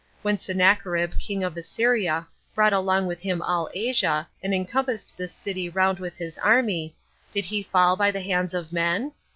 When Sennacherib, king of Assyria, brought along with him all Asia, and encompassed this city round with his army, did he fall by the hands of men?